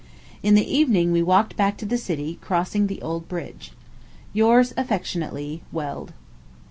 In the evening we walked back to the city, crossing the old bridge. Yours affectionately, WELD.